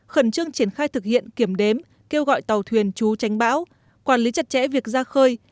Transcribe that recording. khẩn trương triển khai thực hiện kiểm đếm kêu gọi tàu thuyền chú tránh bão quản lý chặt chẽ việc ra khơi